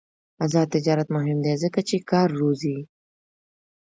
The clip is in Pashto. آزاد تجارت مهم دی ځکه چې کار روزي.